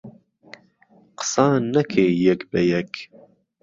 قسان نهکهی یهک به یهک